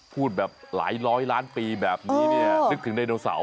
พูดแบบหลายร้อยล้านปีแบบนี้เนี่ยนึกถึงไดโนเสาร์